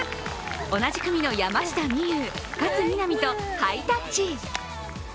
同じ組の山下美夢有、勝みなみとハイタッチ。